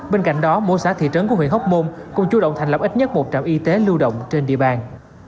bên cạnh đó mỗi xã thị trấn của huyện hóc môn cũng chú động thành lập ít nhất một trạm y tế lưu động trên địa bàn